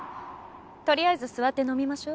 とりあえず座って飲みましょ。